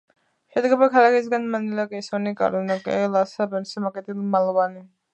შედგება ქალაქისგან მანილა კესონი კალოოკანი ლას პინიასი მაკატი მალაბონი